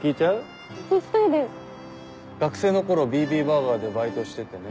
学生の頃ＢＢバーガーでバイトしててね